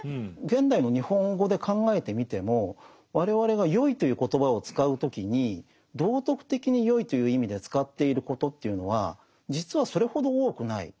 現代の日本語で考えてみても我々が「よい」という言葉を使う時に道徳的に善いという意味で使っていることというのは実はそれほど多くない。